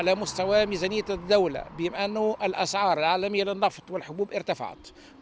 karena harga di dunia nilai nilai nilai dan harga di dunia berkembang